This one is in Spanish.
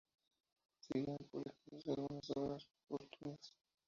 Siguieron publicándose algunas obras póstumas.